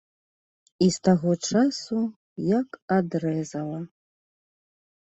І з таго часу як адрэзала.